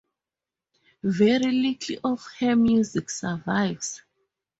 Very little of her music survives.